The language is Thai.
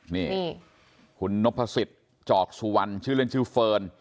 นี่คุณนพสิทธิ์จอกสุวรรณชื่อเล่นชื่อเฟิร์น